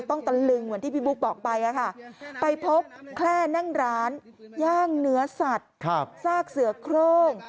ตะลึงเหมือนที่พี่บุ๊คบอกไปไปพบแค่นั่งร้านย่างเนื้อสัตว์ซากเสือโครง